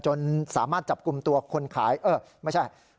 จนสามารถจับกลุ่มตัวคนขายเออไม่ใช่